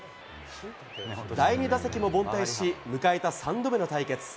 第２打席も凡退し、迎えた３度目の対決。